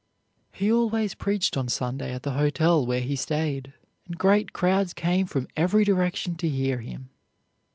He always preached on Sunday at the hotel where he stayed, and great crowds came from every direction to hear him.